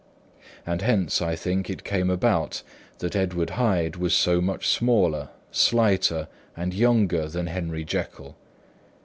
And hence, as I think, it came about that Edward Hyde was so much smaller, slighter and younger than Henry Jekyll.